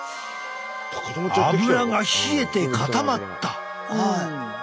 アブラが冷えて固まった。